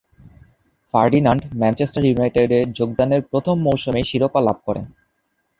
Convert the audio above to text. Ferdinand Manchester ইউনাইটেডে যোগদানের প্রথম মৌসুমেই শিরোপা লাভ করেন।